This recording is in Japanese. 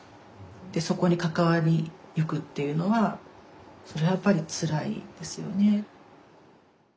でそこに関わりゆくっていうのはそれはやっぱりつらいですよね。